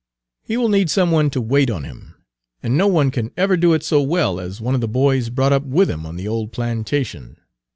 He will need some one to wait on him, and no one can ever do it so well as one of the boys brought up with him on the old plantation.